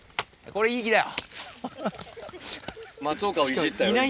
これいい木だよ。